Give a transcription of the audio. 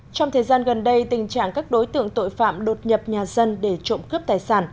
trong thời gian gần đây tình trạng các đối tượng tội phạm đột nhập nhà dân để trộm cướp tài sản